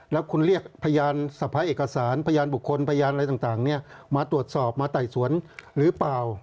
แล้วคุณเรียกพยานสะพ้ายเอกสารพยานบุคคลพยานอะไรต่างมาตรวจสอบมาไต่สวนหรือเปล่า